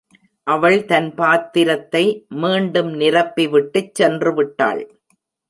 அவள் தன் பாத்திரத்தை மீண்டும் நிரப்பி விட்டுச் சென்றுவிட்டாள்.